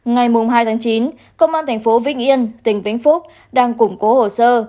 ngày hai chín công an tp vĩnh yên tỉnh vĩnh phúc đang củng cố hồ sơ